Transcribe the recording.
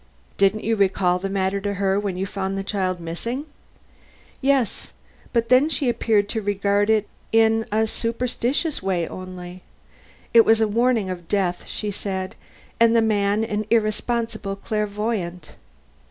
"Didn't you recall the matter to her when you found the child missing?" "Yes; but then she appeared to regard it in a superstitious way only. It was a warning of death, she said, and the man an irresponsible clairvoyant.